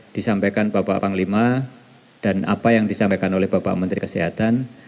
disampaikan bapak panglima dan apa yang disampaikan oleh bapak menteri kesehatan